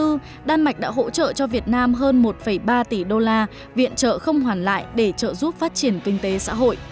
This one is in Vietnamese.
năm một nghìn chín trăm chín mươi bốn đan mạch đã hỗ trợ cho việt nam hơn một ba tỷ đô la viện trợ không hoàn lại để trợ giúp phát triển kinh tế xã hội